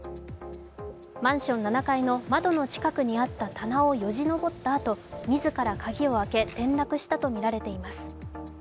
マンション７階の窓の近くにあった棚をよじ登ったあと自ら鍵を開け、転落したとみられています。